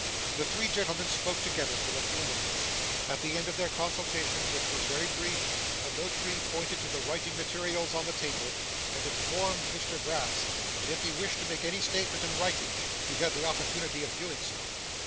The three gentlemen spoke together apart, for a few moments. At the end of their consultation, which was very brief, the Notary pointed to the writing materials on the table, and informed Mr Brass that if he wished to make any statement in writing, he had the opportunity of doing so.